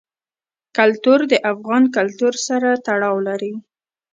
کلتور د افغان کلتور سره تړاو لري.